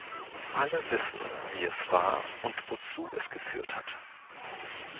Alle wissen, wie es war und wozu es geführt hat.